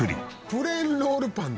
「プレーンロールパン」